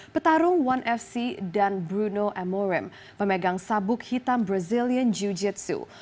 petarung one fc dan bruno amorim memegang sabuk hitam brazilian jiu jitsu